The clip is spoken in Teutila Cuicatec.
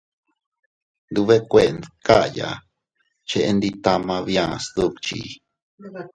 Tndubekuen dkaya cheʼe ndi tama bia sdukchi.